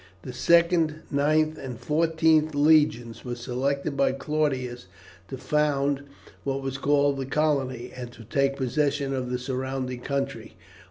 The 2nd, 9th, and 14th Legions were selected by Claudius to found what was called the colony, and to take possession of the surrounding country.